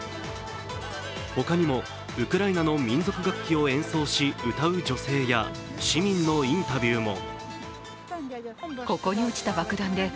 他にもウクライナの民族楽器を演奏し歌う女性や市民のインタビューも。